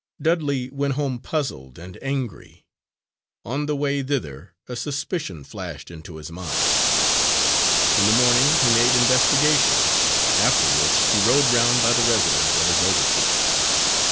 Dudley went home puzzled and angry. On the way thither a suspicion flashed into his mind. In the morning he made investigations, after which he rode round by the residence of his overseer.